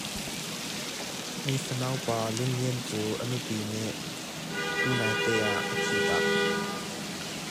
Mifa nau pa, Lianlian cu a nupi nih tunaite ah a thihtak.